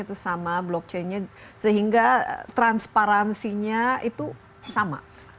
itu sama blockchainnya sehingga transparansinya itu sama